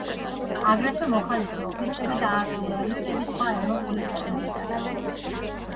აგრეთვე, მოხალისე ოფიცრები და არტილერისტები სხვა ევროპული ქვეყნებიდანაც.